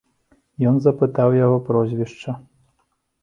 Ён запытаў яго прозвішча.